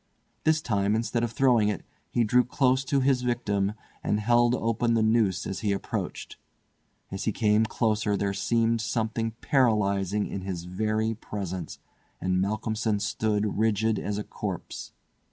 This time, instead of throwing it, he drew close to his victim, and held open the noose as he approached. As he came closer there seemed something paralysing in his very presence, and Malcolmson stood rigid as a corpse.